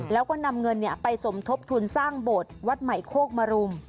แล้วก็นำเงินไปสมทบทุนสร้างโบสถ์วัดใหม่โคกมรุม